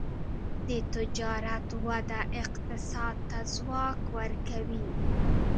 د تجارت وده اقتصاد ته ځواک ورکوي.